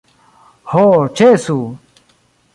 Ho, ĉesu!